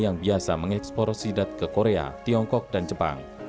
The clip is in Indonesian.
yang biasa mengekspor sidat ke korea tiongkok dan jepang